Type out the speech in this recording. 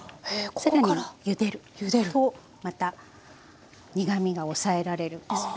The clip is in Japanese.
更にゆでるとまた苦みが抑えられるんですよね。